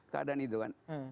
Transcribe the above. keadaan itu kan